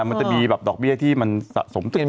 มันจะมีดอกเบี้ยที่สะสมสม